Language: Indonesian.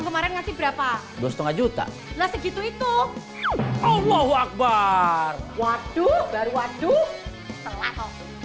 kemarin ngasih berapa dua setengah juta segitu itu allahuakbar waduh baru waduh